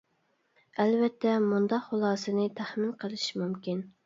ئەلۋەتتە مۇنداق خۇلاسىنى تەخمىن قىلىش مۇمكىن.